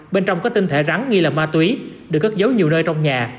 bên trong có tinh thể rắn nghi là ma túy được cất giấu nhiều nơi trong nhà